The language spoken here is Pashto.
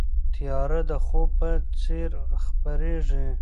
تیاره د خوب په څېر خپرېږي.